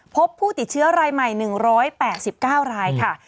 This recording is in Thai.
พบผู้ติดเชื้อรายใหม่๑๘๙รายค่ะ